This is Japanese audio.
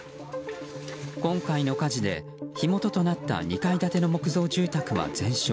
今回の火事で、火元となった２階建ての木造住宅は全焼。